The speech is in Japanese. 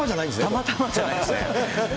たまたまじゃないですね。